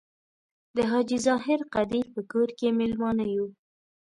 د حاجي ظاهر قدیر په کور کې میلمانه یو.